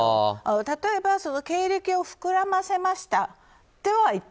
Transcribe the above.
例えば、経歴を膨らませましたとは言った。